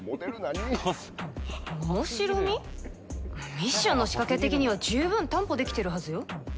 ミッションの仕掛け的には十分担保できてるはずよ。